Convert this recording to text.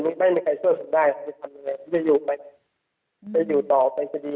ถ้าไม่มีใครเชื่อผมได้จิตจะอยู่ไหมไม่ได้อยู่ต่อมาก็ดี